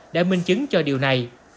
đã minh chứng cho điều này